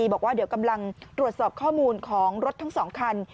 บอกว่าเดี๋ยวกำลังตรวจสอบข้อมูลของรถทั้ง๒คัน